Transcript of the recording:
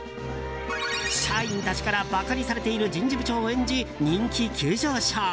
社員たちから馬鹿にされている人事部長を演じ人気急上昇！